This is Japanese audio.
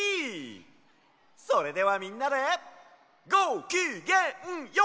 それではみんなでごきげんＹＯ！